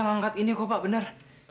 mengangkat ini kok pak benar